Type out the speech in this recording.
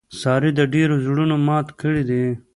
سارې د ډېرو زړونه مات کړي دي.